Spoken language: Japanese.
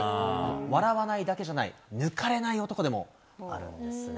笑わないだけじゃない、抜かれない男でもあるんですね。